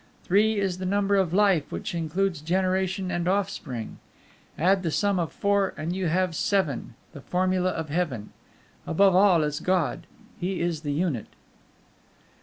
Three is the number of Life which includes generation and offspring. Add the sum of four, and you have seven, the formula of Heaven. Above all is God; He is the Unit.